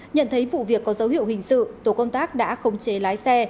nhận thấy vụ việc có dấu hiệu hình sự tổ công tác đã khống chế lái xe